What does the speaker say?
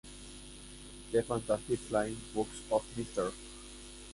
The Fantastic Flying Books of Mr.